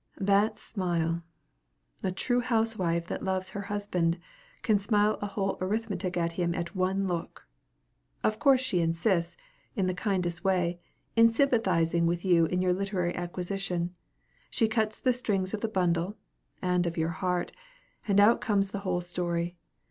That smile! A true housewife that loves her husband can smile a whole arithmetic at him at one look! Of course she insists, in the kindest way, in sympathizing with you in your literary acquisition. She cuts the strings of the bundle (and of your heart), and out comes the whole story.